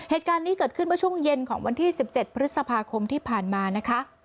เหตุการณ์นี้เกิดขึ้นเมื่อช่วงเย็นของวันที่๑๗พฤษภาคมที่ผ่านมานะคะ